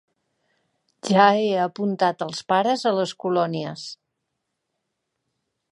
Ja he apuntat els pares a les colònies.